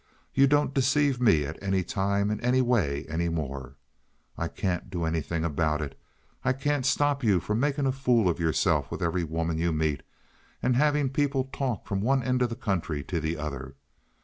You don't deceive me at any time in any way any more. I can't do anything about it. I can't stop you from making a fool of yourself with every woman you meet, and having people talk from one end of the country to the other.